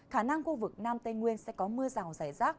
khả năng khu vực nam tây nguyên sẽ có mưa rào rải rác